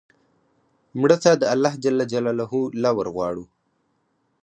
مړه ته د الله ج لور غواړو